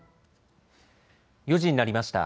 ４時になりました。